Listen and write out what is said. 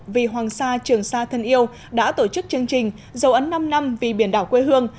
vì hoàng sa trường sa thân yêu đã tổ chức chương trình dấu ấn năm năm vì biển đảo quê hương